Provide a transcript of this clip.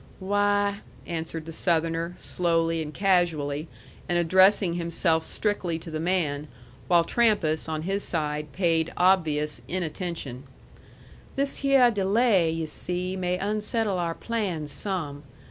"Why," answered the Southerner, slowly and casually, and addressing himself strictly to the man, while Trampas, on his side, paid obvious inattention, "this hyeh delay, yu' see, may unsettle our plans some.